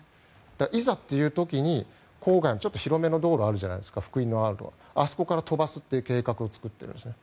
いざという時に郊外の広めの道路があるじゃないですかあそこから飛ばすという計画を作っているんですね。